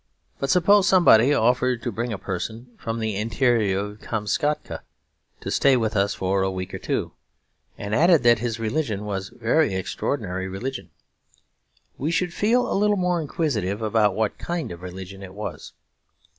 But suppose somebody offered to bring a person from the interior of Kamskatka to stay with us for a week or two, and added that his religion was a very extraordinary religion, we should feel a little more inquisitive about what kind of religion it was.